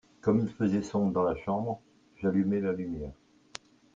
comme il faisait sombre dans la chambre, j'allumai la lumière.